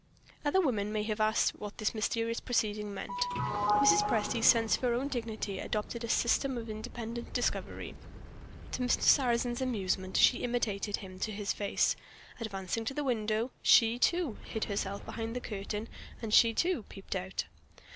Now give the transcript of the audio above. Other women might have asked what this mysterious proceeding meant. Mrs. Presty's sense of her own dignity adopted a system of independent discovery. To Mr. Sarrazin's amusement, she imitated him to his face. Advancing to the window, she, too, hid herself behind the curtain, and she, too, peeped out.